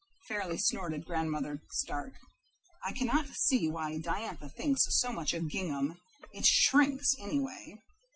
fairly snorted Grandmother Stark. "I cannot see why Diantha thinks so much of gingham. It shrinks, anyway."